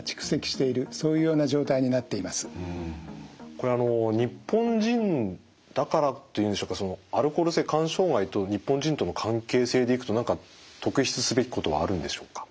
これあの日本人だからっていうんでしょうかそのアルコール性肝障害と日本人との関係性でいくと何か特筆すべきことはあるんでしょうか？